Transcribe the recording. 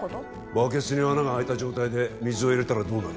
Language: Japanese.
バケツに穴が開いた状態で水を入れたらどうなる？